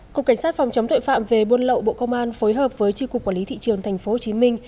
cục cảnh sát phòng chống tội phạm về buôn lậu bộ công an phối hợp với tri cục quản lý thị trường tp hcm